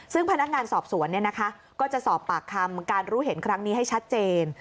ซึ่งพนักงานสอบสวนก็จะสอบปากคำการรู้เห็นครั้งนี้ให้ชัดเจน